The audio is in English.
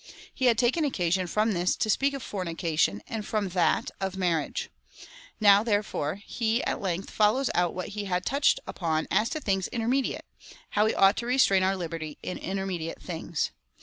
He had taken occasion from this to speak of fornica tion, and from that, of marriage. Now, therefore, he at length follows out what he had touched upon as to things intermediate — how we ought to restrain our liberty in inter mediate things.